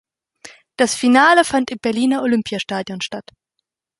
Das Finale fand im Berliner Olympiastadion statt.